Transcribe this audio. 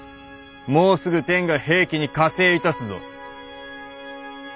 もうすぐ天が平家に加勢いたすぞ。